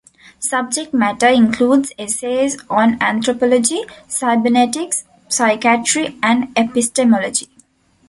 Subject matter includes essays on anthropology, cybernetics, psychiatry, and epistemology.